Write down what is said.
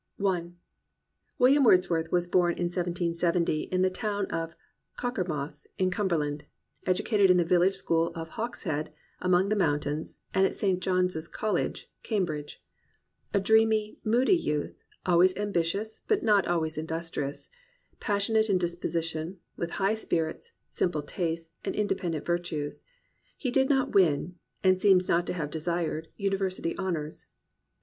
193 COMPANIONABLE BOOKS I William Wordsworth was born in 1770 in the town of Cockermouth in Cumberland; educated in the village school of Hawkshead among the moun tains, and at St. John's College, Cambridge. A dreamy, moody youth; always ambitious, but not always industrious; passionate in disposition, with high spirits, simple tastes, and independent virtues; he did not win, and seems not to have desired, university honours.